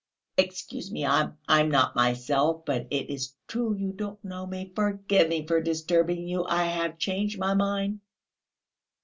"Excuse me, I am not myself: but it is true you don't know me ... forgive me for disturbing you; I have changed my mind."